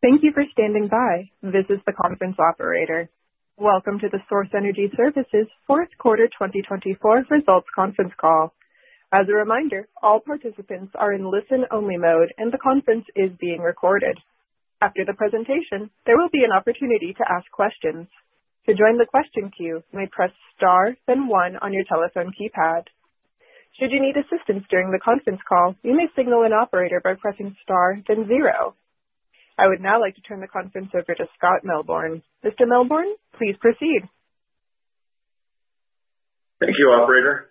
Thank you for standing by. This is the conference operator. Welcome to the Source Energy Services fourth quarter 2024 results conference call. As a reminder, all participants are in listen-only mode, and the conference is being recorded. After the presentation, there will be an opportunity to ask questions. To join the question queue, you may press star, then one on your telephone keypad. Should you need assistance during the conference call, you may signal an operator by pressing star, then zero. I would now like to turn the conference over to Scott Melbourn. Mr. Melbourn, please proceed. Thank you, Operator.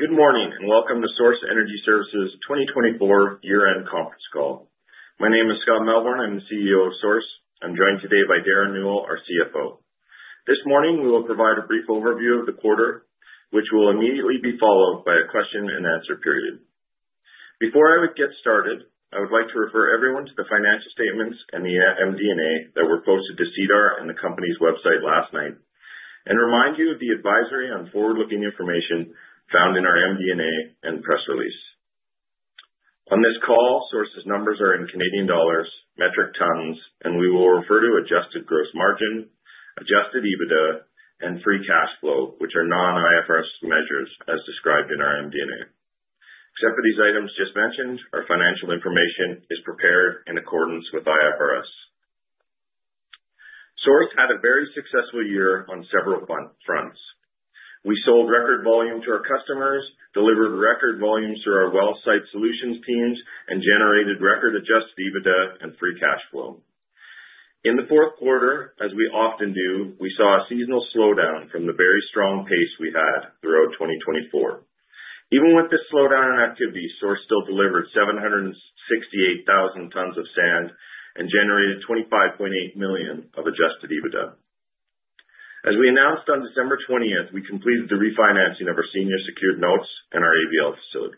Good morning and welcome to Source Energy Services' 2024 year-end conference call. My name is Scott Melbourn. I'm the CEO of Source. I'm joined today by Derren Newell, our CFO. This morning, we will provide a brief overview of the quarter, which will immediately be followed by a question-and-answer period. Before I get started, I would like to refer everyone to the financial statements and the MD&A that were posted to SEDAR and the company's website last night, and remind you of the advisory on forward-looking information found in our MD&A and press release. On this call, Source's numbers are in CAD, metric tons, and we will refer to adjusted gross margin, adjusted EBITDA, and free cash flow, which are non-IFRS measures as described in our MD&A. Except for these items just mentioned, our financial information is prepared in accordance with IFRS. Source had a very successful year on several fronts. We sold record volume to our customers, delivered record volumes through our well-site solutions teams, and generated record-adjusted EBITDA and free cash flow. In the fourth quarter, as we often do, we saw a seasonal slowdown from the very strong pace we had throughout 2024. Even with this slowdown in activity, Source still delivered 768,000 tons of sand and generated 25.8 million of adjusted EBITDA. As we announced on December 20th, we completed the refinancing of our senior secured notes and our ABL facility.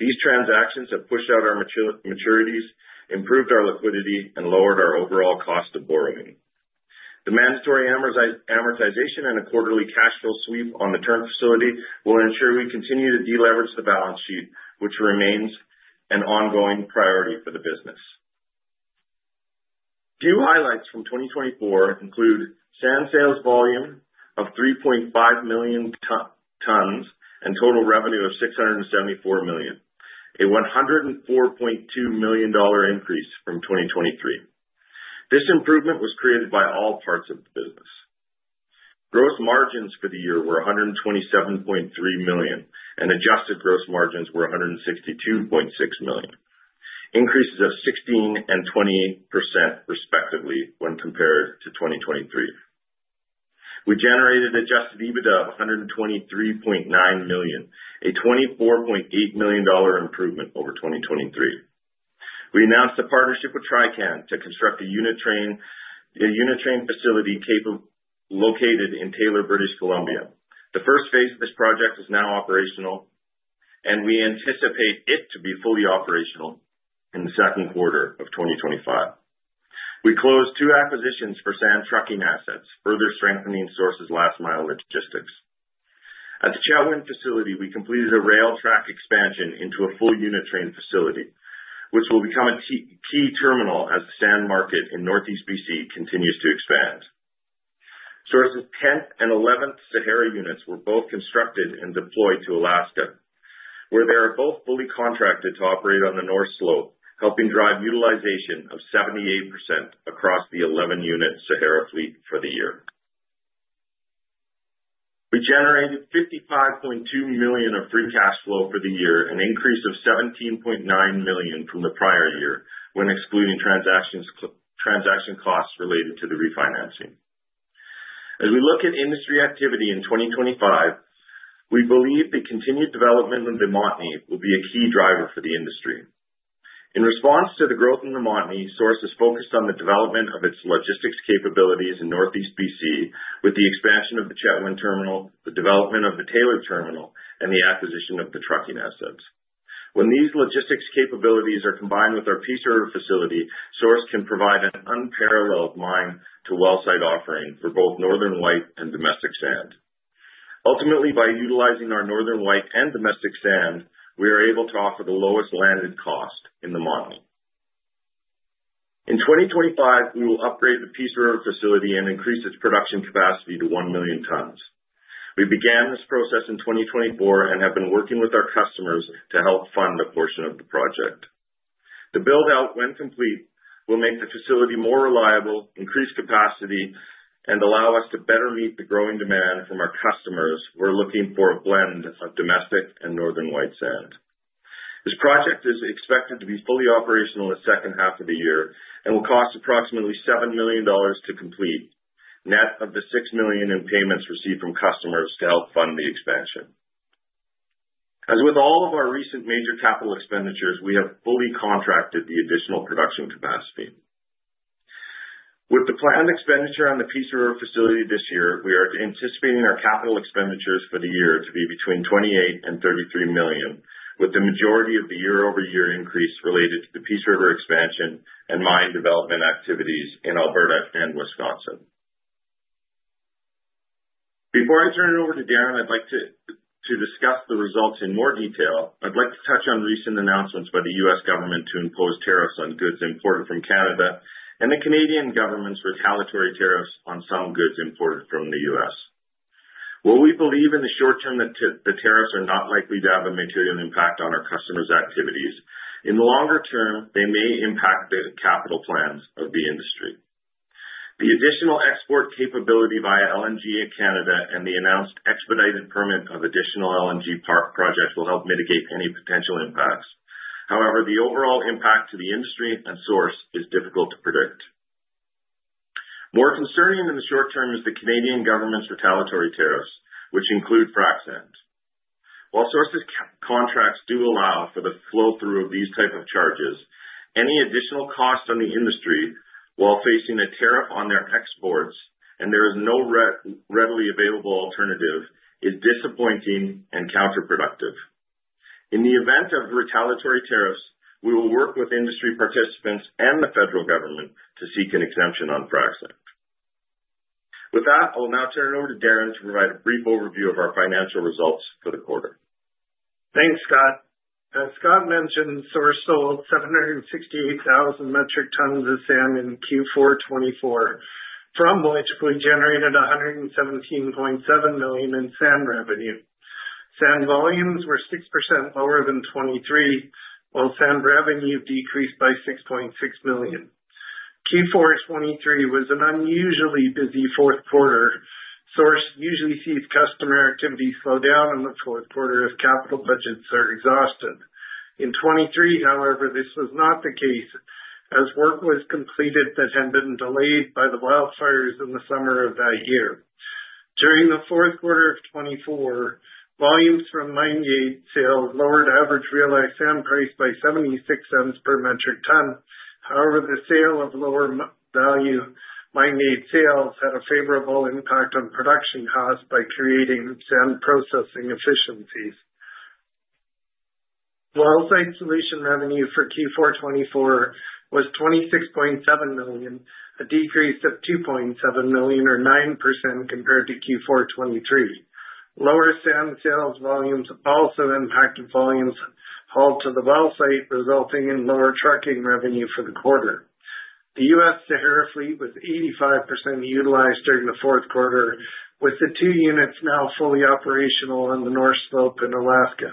These transactions have pushed out our maturities, improved our liquidity, and lowered our overall cost of borrowing. The mandatory amortization and a quarterly cash flow sweep on the term facility will ensure we continue to deleverage the balance sheet, which remains an ongoing priority for the business. Few highlights from 2024 include sand sales volume of 3.5 million tons and total revenue of 674 million, a 104.2 million dollar increase from 2023. This improvement was created by all parts of the business. Gross margins for the year were 127.3 million, and adjusted gross margins were 162.6 million, increases of 16% and 28% respectively when compared to 2023. We generated adjusted EBITDA of 123.9 million, a 24.8 million dollar improvement over 2023. We announced a partnership with Trican to construct a unit train facility located in Taylor, British Columbia. The first phase of this project is now operational, and we anticipate it to be fully operational in the second quarter of 2025. We closed two acquisitions for sand trucking assets, further strengthening Source's last mile logistics. At the Chetwynd facility, we completed a rail track expansion into a full unit train facility, which will become a key terminal as the sand market in Northeast BC continues to expand. Source's 10th and 11th Sahara units were both constructed and deployed to Alaska, where they are both fully contracted to operate on the North Slope, helping drive utilization of 78% across the 11-unit Sahara fleet for the year. We generated 55.2 million of free cash flow for the year, an increase of 17.9 million from the prior year when excluding transaction costs related to the refinancing. As we look at industry activity in 2025, we believe the continued development of the Montney will be a key driver for the industry. In response to the growth in the Montney, Source has focused on the development of its logistics capabilities in Northeast British Columbia with the expansion of the Chetwynd terminal, the development of the Taylor terminal, and the acquisition of the trucking assets. When these logistics capabilities are combined with our Peace River facility, Source can provide an unparalleled mine-to-well-site offering for both northern white and domestic sand. Ultimately, by utilizing our northern white and domestic sand, we are able to offer the lowest landed cost in the Montney. In 2025, we will upgrade the Peace River facility and increase its production capacity to 1 million tons. We began this process in 2024 and have been working with our customers to help fund a portion of the project. The build-out, when complete, will make the facility more reliable, increase capacity, and allow us to better meet the growing demand from our customers who are looking for a blend of domestic and northern white sand. This project is expected to be fully operational in the second half of the year and will cost approximately 7 million dollars to complete, net of the 6 million in payments received from customers to help fund the expansion. As with all of our recent major capital expenditures, we have fully contracted the additional production capacity. With the planned expenditure on the Peace River facility this year, we are anticipating our capital expenditures for the year to be between 28-33 million, with the majority of the year-over-year increase related to the Peace River expansion and mine development activities in Alberta and Wisconsin. Before I turn it over to Derren, I'd like to discuss the results in more detail. I'd like to touch on recent announcements by the U.S. government to impose tariffs on goods imported from Canada and the Canadian government's retaliatory tariffs on some goods imported from the U.S. While we believe in the short term that the tariffs are not likely to have a material impact on our customers' activities, in the longer term, they may impact the capital plans of the industry. The additional export capability via LNG in Canada and the announced expedited permit of additional LNG park projects will help mitigate any potential impacts. However, the overall impact to the industry and Source is difficult to predict. More concerning in the short term is the Canadian government's retaliatory tariffs, which include frac sand. While Source's contracts do allow for the flow-through of these types of charges, any additional cost on the industry while facing a tariff on their exports and there is no readily available alternative is disappointing and counterproductive. In the event of retaliatory tariffs, we will work with industry participants and the federal government to seek an exemption on frac sand. With that, I will now turn it over to Derren to provide a brief overview of our financial results for the quarter. Thanks, Scott. As Scott mentioned, Source sold 768,000 metric tons of sand in Q4 2024, from which we generated 117.7 million in sand revenue. Sand volumes were 6% lower than 2023, while sand revenue decreased by 6.6 million. Q4 2023 was an unusually busy fourth quarter. Source usually sees customer activity slow down in the fourth quarter if capital budgets are exhausted. In 2023, however, this was not the case, as work was completed that had been delayed by the wildfires in the summer of that year. During the fourth quarter of 2024, volumes from mine yield sales lowered average realized sand price by $0.76 per metric ton. However, the sale of lower value mine yield sales had a favorable impact on production costs by creating sand processing efficiencies. Well-site solution revenue for Q4 2024 was 26.7 million, a decrease of 2.7 million, or 9% compared to Q4 2023.Lower sand sales volumes also impacted volumes hauled to the well site, resulting in lower trucking revenue for the quarter. The U.S. Sahara fleet was 85% utilized during the fourth quarter, with the two units now fully operational on the North Slope in Alaska.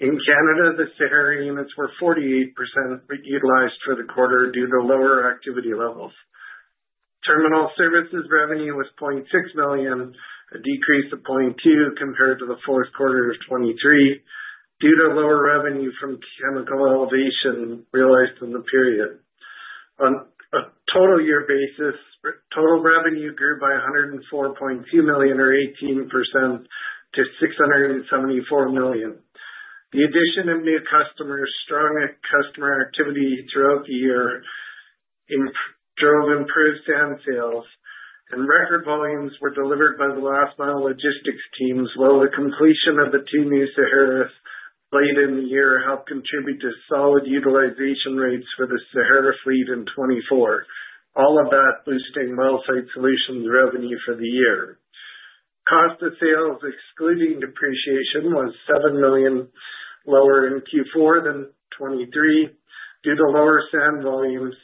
In Canada, the Sahara units were 48% utilized for the quarter due to lower activity levels. Terminal services revenue was 0.6 million, a decrease of 0.2 million compared to the fourth quarter of 2023, due to lower revenue from chemical elevation realized in the period. On a total year basis, total revenue grew by 104.2 million, or 18%, to 674 million. The addition of new customers, strong customer activity throughout the year, drove improved sand sales, and record volumes were delivered by the last-mile logistics teams, while the completion of the two new Sahara units late in the year helped contribute to solid utilization rates for the Sahara fleet in 2024, all of that boosting well-site solutions revenue for the year. Cost of sales, excluding depreciation, was 7 million lower in Q4 than 2023 due to lower sand volumes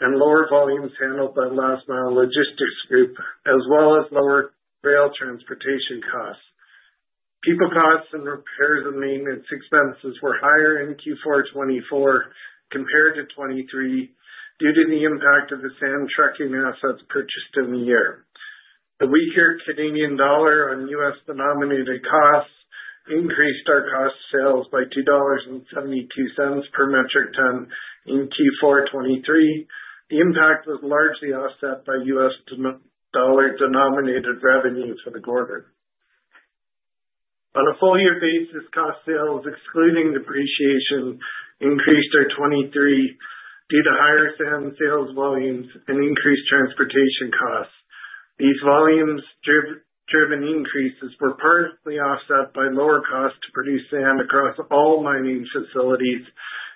and lower volumes handled by the last-mile logistics group, as well as lower rail transportation costs. People costs and repairs and maintenance expenses were higher in Q4 2024 compared to 2023 due to the impact of the sand trucking assets purchased in the year. The weaker Canadian dollar on U.S. denominated costs increased our cost of sales by $2.72 per metric ton in Q4 2023. The impact was largely offset by U.S. Dollar-denominated revenue for the quarter. On a full-year basis, cost of sales, excluding depreciation, increased in 2023 due to higher sand sales volumes and increased transportation costs. These volume-driven increases were partially offset by lower cost to produce sand across all mining facilities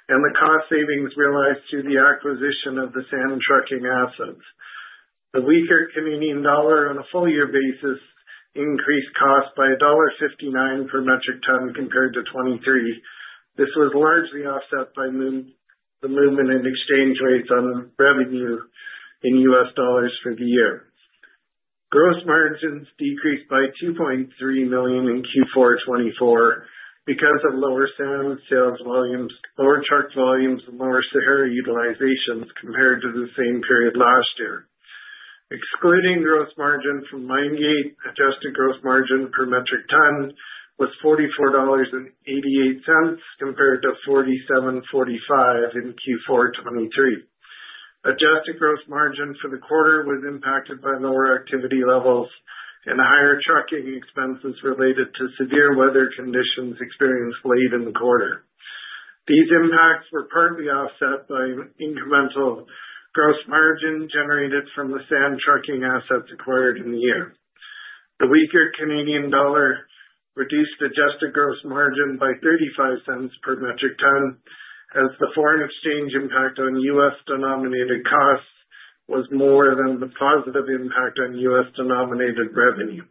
and the cost savings realized through the acquisition of the sand trucking assets. The weaker Canadian dollar on a full-year basis increased cost by dollar 1.59 per metric ton compared to 2023. This was largely offset by the movement in exchange rates on revenue in U.S. dollars for the year. Gross margins decreased by 2.3 million in Q4 2024 because of lower sand sales volumes, lower truck volumes, and lower Sahara utilization compared to the same period last year. Excluding gross margin from mine yield, adjusted gross margin per metric ton was 44.88 dollars compared to 47.45 in Q4 2023. Adjusted gross margin for the quarter was impacted by lower activity levels and higher trucking expenses related to severe weather conditions experienced late in the quarter. These impacts were partly offset by incremental gross margin generated from the sand trucking assets acquired in the year. The weaker Canadian dollar reduced adjusted gross margin by 0.35 per metric ton, as the foreign exchange impact on U.S. denominated costs was more than the positive impact on U.S. denominated revenue.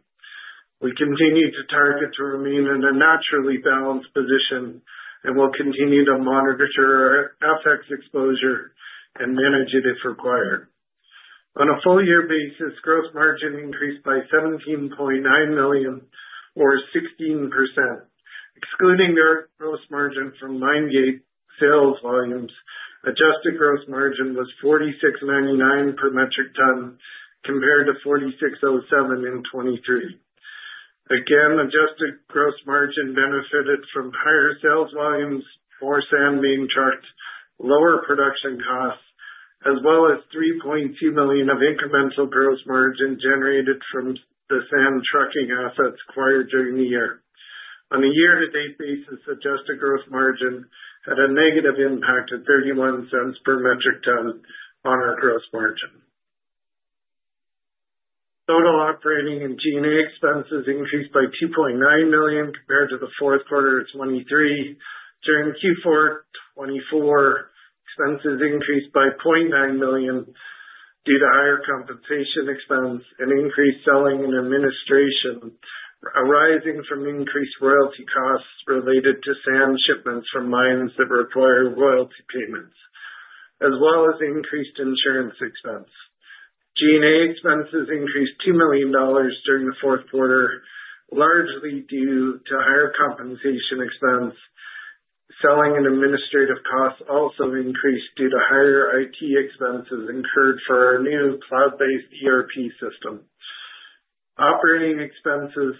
We continue to target to remain in a naturally balanced position and will continue to monitor our FX exposure and manage it if required. On a full-year basis, gross margin increased by 17.9 million, or 16%. Excluding direct gross margin from mine yield sales volumes, adjusted gross margin was 46.99 per metric ton compared to 46.07 in 2023. Again, adjusted gross margin benefited from higher sales volumes for sand being trucked, lower production costs, as well as 3.2 million of incremental gross margin generated from the sand trucking assets acquired during the year. On a year-to-date basis, adjusted gross margin had a negative impact of $0.31 per metric ton on our gross margin. Total operating and G&A expenses increased by 2.9 million compared to the fourth quarter of 2023. During Q4 2024, expenses increased by 0.9 million due to higher compensation expense and increased selling and administration, arising from increased royalty costs related to sand shipments from mines that require royalty payments, as well as increased insurance expense. G&A expenses increased 2 million dollars during the fourth quarter, largely due to higher compensation expense. Selling and administrative costs also increased due to higher IT expenses incurred for our new cloud-based ERP system. Operating expenses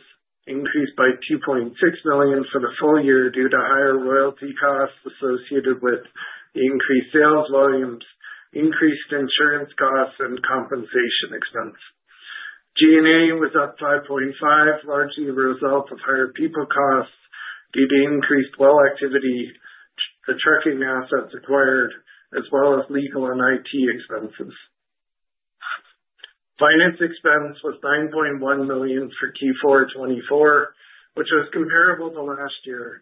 increased by 2.6 million for the full year due to higher royalty costs associated with the increased sales volumes, increased insurance costs, and compensation expense. G&A was up 5.5 million, largely a result of higher people costs due to increased well activity, the trucking assets acquired, as well as legal and IT expenses. Finance expense was 9.1 million for Q4 2024, which was comparable to last year.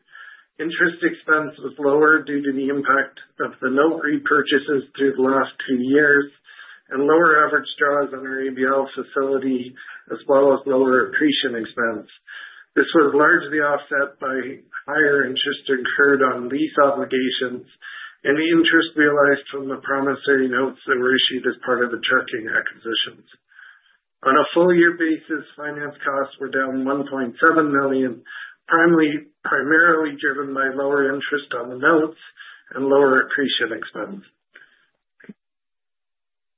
Interest expense was lower due to the impact of the note repurchases through the last two years and lower average draws on our ABL facility, as well as lower accretion expense. This was largely offset by higher interest incurred on lease obligations and the interest realized from the promissory notes that were issued as part of the trucking acquisitions. On a full-year basis, finance costs were down 1.7 million, primarily driven by lower interest on the notes and lower accretion expense.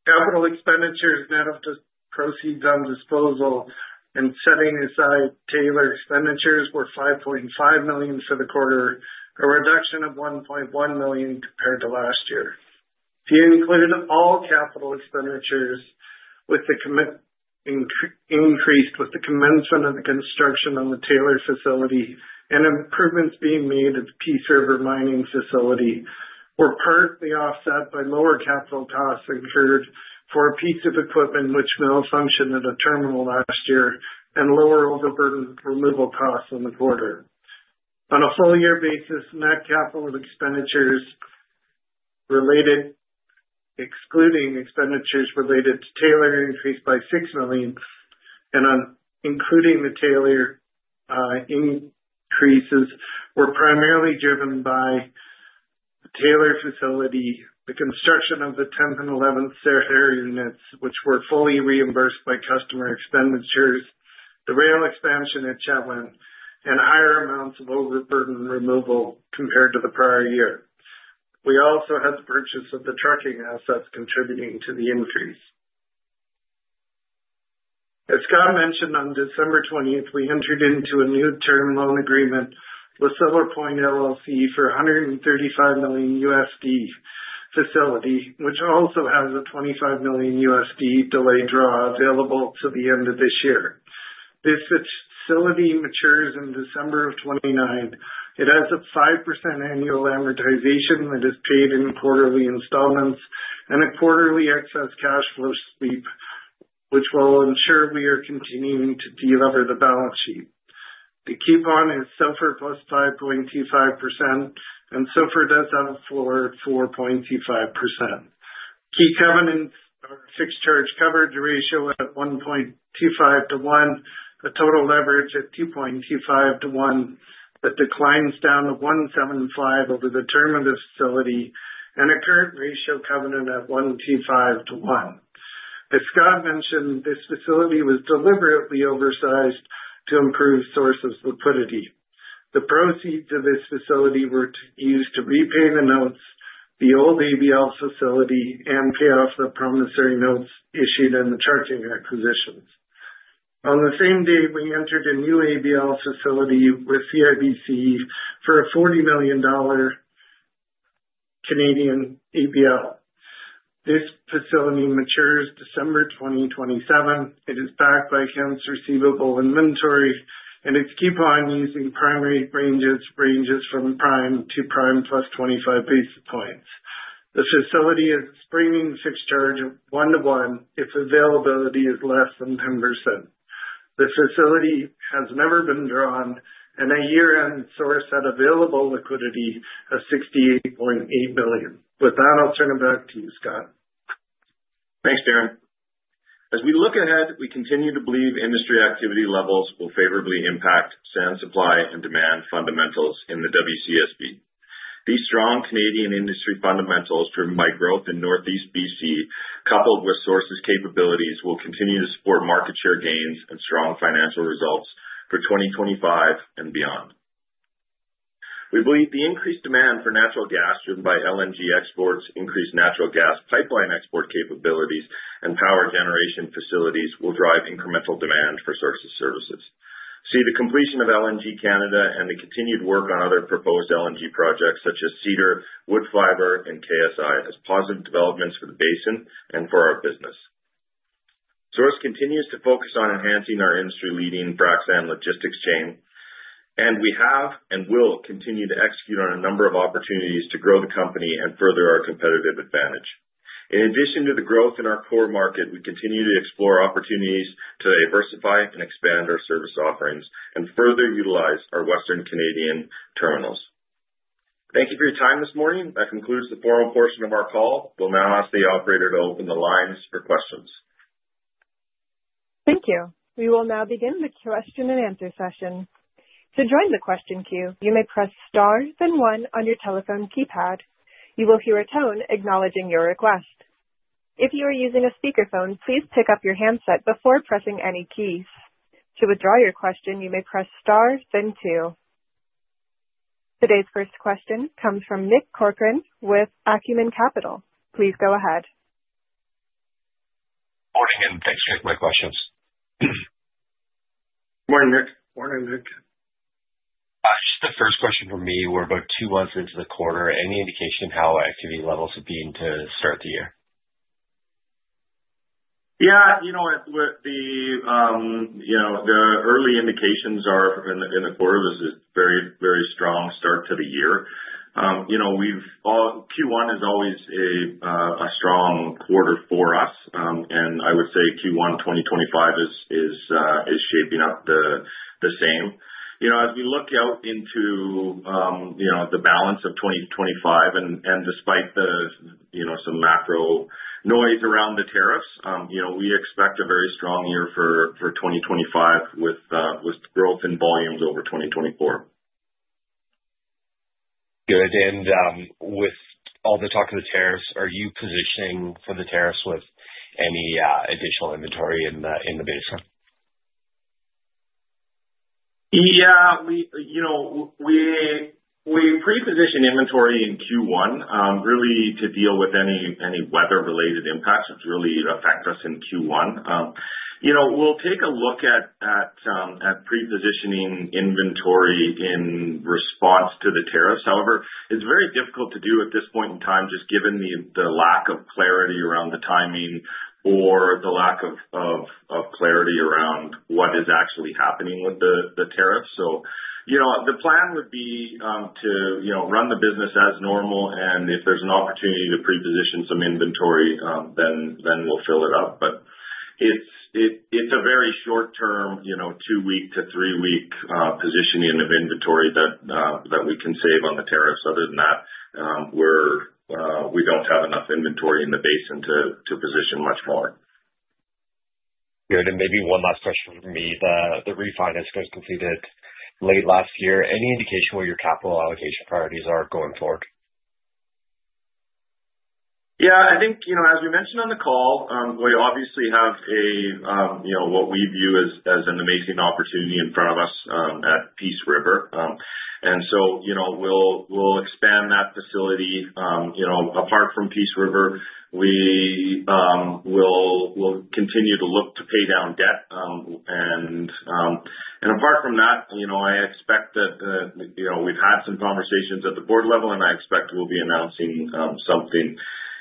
Capital expenditures net of the proceeds on disposal and setting aside Taylor expenditures were 5.5 million for the quarter, a reduction of 1.1 million compared to last year. To include all capital expenditures with the increased with the commencement of the construction on the Taylor facility and improvements being made at the Peace River mining facility were partly offset by lower capital costs incurred for a piece of equipment which malfunctioned at a terminal last year and lower overburden removal costs in the quarter. On a full-year basis, net capital expenditures related, excluding expenditures related to Taylor, increased by 6 million, and including the Taylor increases were primarily driven by the Taylor facility, the construction of the 10th and 11th Sahara units, which were fully reimbursed by customer expenditures, the rail expansion at Chetwynd, and higher amounts of overburden removal compared to the prior year. We also had the purchase of the trucking assets contributing to the increase. As Scott mentioned, on December 20th, we entered into a new term loan agreement with Silver Point LLC for a $135 million facility, which also has a $25 million delayed draw available to the end of this year. This facility matures in December of 2029. It has a 5% annual amortization that is paid in quarterly installments and a quarterly excess cash flow sweep, which will ensure we are continuing to delever the balance sheet. The coupon is SOFR +5.25%, and SOFR does have a floor of 4.25%. Key covenants are a fixed charge coverage ratio at 1.25-1, a total leverage at 2.25-1 that declines down to 1.75 over the term of the facility, and a current ratio covenant at 1.25-1. As Scott mentioned, this facility was deliberately oversized to improve Source's liquidity. The proceeds of this facility were used to repay the notes, the old ABL facility, and pay off the promissory notes issued in the trucking acquisitions. On the same day, we entered a new ABL facility with CIBC for a 40 million Canadian dollars ABL. This facility matures December 2027. It is backed by Hemp's receivable inventory, and its coupon using primary ranges from prime to prime +25 basis points. The facility has a springing fixed charge of 1-1 if availability is less than 10%. The facility has never been drawn, and at year-end Source had available liquidity of 68.8 million. With that, I'll turn it back to you, Scott. Thanks, Derren. As we look ahead, we continue to believe industry activity levels will favorably impact sand supply and demand fundamentals in the WCSB. These strong Canadian industry fundamentals driven by growth in Northeast BC, coupled with Source's capabilities, will continue to support market share gains and strong financial results for 2025 and beyond. We believe the increased demand for natural gas driven by LNG exports, increased natural gas pipeline export capabilities, and power generation facilities will drive incremental demand for Source's services. We see the completion of LNG Canada and the continued work on other proposed LNG projects such as Cedar, Woodfibre, and Ksi Lisims as positive developments for the basin and for our business. Source continues to focus on enhancing our industry-leading frac sand logistics chain, and we have and will continue to execute on a number of opportunities to grow the company and further our competitive advantage. In addition to the growth in our core market, we continue to explore opportunities to diversify and expand our service offerings and further utilize our Western Canadian terminals. Thank you for your time this morning. That concludes the formal portion of our call. We'll now ask the operator to open the lines for questions. Thank you. We will now begin the question and answer session. To join the question queue, you may press star then one on your telephone keypad. You will hear a tone acknowledging your request. If you are using a speakerphone, please pick up your handset before pressing any keys. To withdraw your question, you may press star then two. Today's first question comes from Nick Corcoran with Acumen Capital. Please go ahead. Morning, and thanks for taking my questions. Morning, Nick. Morning, Nick. Just the first question for me. We're about two months into the quarter. Any indication how activity levels have been to start the year? Yeah. You know what? The early indications are in the quarter is a very, very strong start to the year. Q1 is always a strong quarter for us, and I would say Q1 2025 is shaping up the same. As we look out into the balance of 2025, and despite some macro noise around the tariffs, we expect a very strong year for 2025 with growth in volumes over 2024. Good. With all the talk of the tariffs, are you positioning for the tariffs with any additional inventory in the basin? Yeah. We pre-positioned inventory in Q1 really to deal with any weather-related impacts which really affect us in Q1. We'll take a look at pre-positioning inventory in response to the tariffs. However, it's very difficult to do at this point in time just given the lack of clarity around the timing or the lack of clarity around what is actually happening with the tariffs. The plan would be to run the business as normal, and if there's an opportunity to pre-position some inventory, then we'll fill it up. It's a very short-term, two-week to three-week positioning of inventory that we can save on the tariffs. Other than that, we don't have enough inventory in the basin to position much more. Good. Maybe one last question for me. The refinance was completed late last year. Any indication what your capital allocation priorities are going forward? Yeah. I think, as we mentioned on the call, we obviously have what we view as an amazing opportunity in front of us at Peace River. We will expand that facility. Apart from Peace River, we will continue to look to pay down debt. Apart from that, I expect that we've had some conversations at the board level, and I expect we'll be announcing something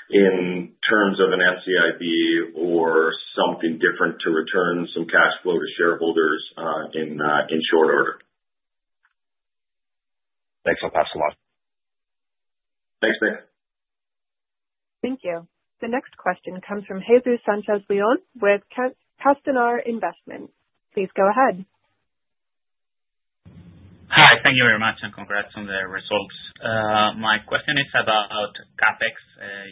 in terms of an NCIB or something different to return some cash flow to shareholders in short order. Thanks. I'll pass the line. Thanks, Nick. Thank you. The next question comes from Jesús Sánchez León with Castañar Investments. Please go ahead. Hi. Thank you very much and congrats on the results. My question is about CapEx.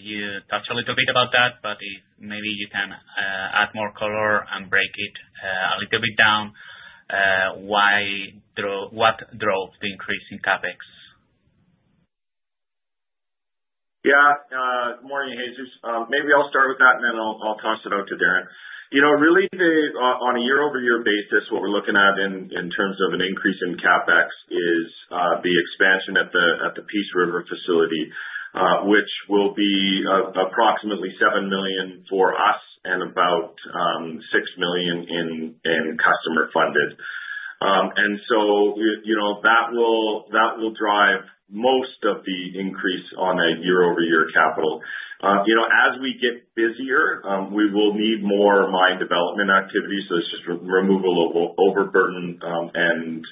You touched a little bit about that, but maybe you can add more color and break it a little bit down. What drove the increase in CapEx? Yeah. Good morning, Jesus. Maybe I'll start with that, and then I'll toss it out to Derren. Really, on a year-over-year basis, what we're looking at in terms of an increase in CapEx is the expansion at the Peace River facility, which will be approximately 7 million for us and about 6 million in customer-funded. That will drive most of the increase on that year-over-year capital. As we get busier, we will need more mine development activity. It is just removal of overburden and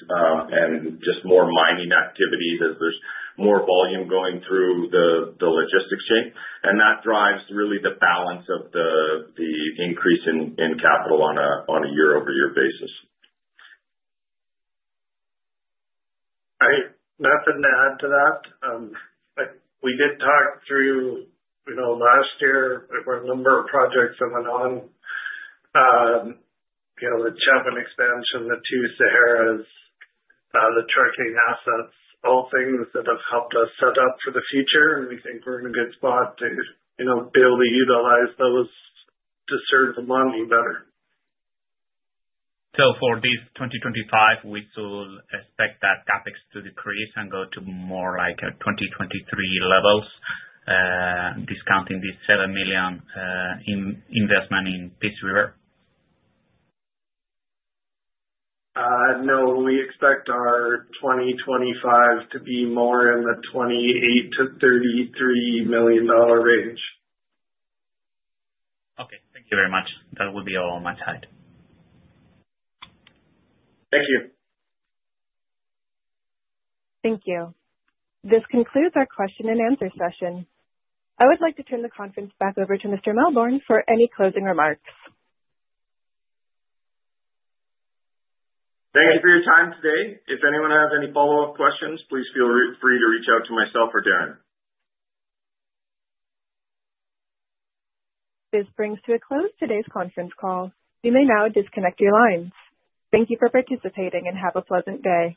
just more mining activity as there is more volume going through the logistics chain. That drives really the balance of the increase in capital on a year-over-year basis. I have nothing to add to that. We did talk through last year for a number of projects that went on, the Chetwynd expansion, the two Saharas, the trucking assets, all things that have helped us set up for the future. We think we're in a good spot to be able to utilize those to serve the Montney better. For this 2025, we still expect that CapEx to decrease and go to more like 2023 levels. Discounting this 7 million investment in Peace River? No. We expect our 2025 to be more in the 28-33 million dollar range. Okay. Thank you very much. That will be all on my side. Thank you. Thank you. This concludes our question and answer session. I would like to turn the conference back over to Mr. Melbourn for any closing remarks. Thank you for your time today. If anyone has any follow-up questions, please feel free to reach out to myself or Derren. This brings to a close today's conference call. You may now disconnect your lines. Thank you for participating and have a pleasant day.